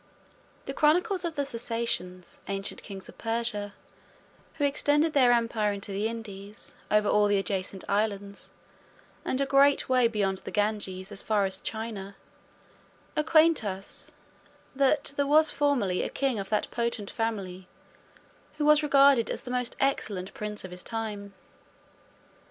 The chronicles of the Sassanians, ancient kings of Persia, who extended their empire into the Indies, over all the adjacent islands, and a great way beyond the Ganges, as far as China, acquaint us, that there was formerly a king of that potent family, who was regarded as the most excellent prince of his time.